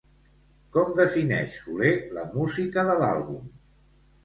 Com defineix Soler la música de l'àlbum?